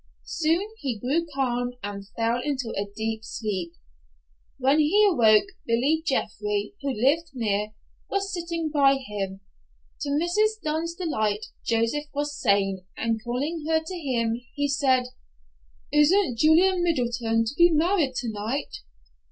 Soon he grew calm, and fell into a deep sleep. When he awoke Billy Jeffrey, who lived near, was sitting by him. To Mrs. Dunn's delight, Joseph was sane, and calling her to him he said, "Isn't Julia Middleton to be married tonight?"